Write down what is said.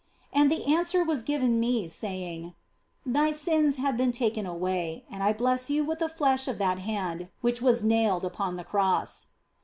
And the answer was given me, saying, " Thy sins have been taken away, and I bless you with the flesh of that Hand which was nailed upon the Cross."